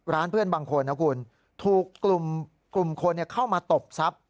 เพื่อนบางคนนะคุณถูกกลุ่มคนเข้ามาตบทรัพย์